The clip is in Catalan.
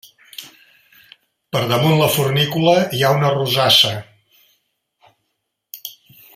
Per damunt la fornícula hi ha una rosassa.